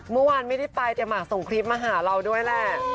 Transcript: เมื่อวานไม่ได้ไปแต่หมากส่งคลิปมาหาเราด้วยแหละ